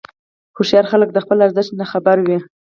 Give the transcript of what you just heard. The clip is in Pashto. هوښیار خلک د خپل ارزښت نه خبر وي.